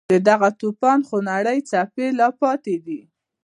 د دغه توپان خونړۍ څپې لا پاتې دي.